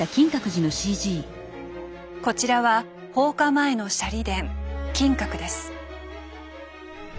こちらは放火前の舎利殿金閣です。